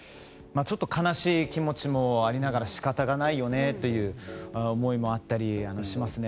ちょっと悲しい気持ちもありながら仕方がないよねという思いもあったりしますね。